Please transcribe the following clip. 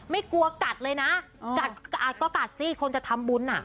ไม่กลัวกัดเลยนะกัดก็กัดสิคนจะทำบุญอ่ะ